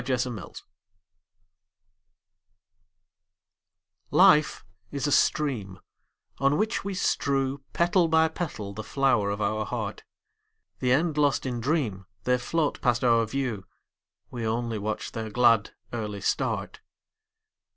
Petals Life is a stream On which we strew Petal by petal the flower of our heart; The end lost in dream, They float past our view, We only watch their glad, early start.